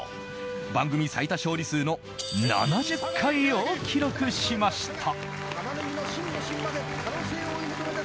番組最多勝利数の７０回を記録しました。